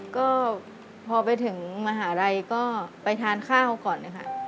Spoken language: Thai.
ก็พอไปถึงมหาลัยก็ไปทานข้าวก่อนเลยค่ะ